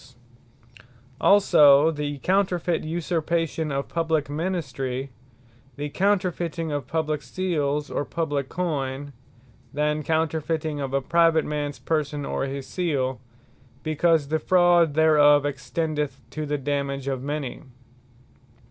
Counterfeiting Authority Also the Counterfeit usurpation of publique Ministery, the Counterfeiting of publique Seales, or publique Coine, than counterfeiting of a private mans person, or his seale; because the fraud thereof, extendeth to the dammage of many.